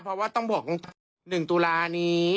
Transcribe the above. เพราะว่าต้องบอกตรงตรง๑ตุลานี้